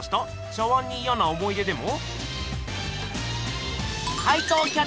茶碗にいやな思い出でも？